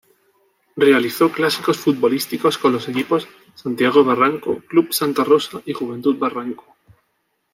Realizó clásicos futbolísticos con los equipos: Santiago Barranco, club Santa Rosa y Juventud Barranco.